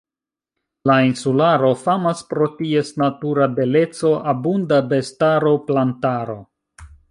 La insularo famas pro ties natura beleco, abunda bestaro, plantaro.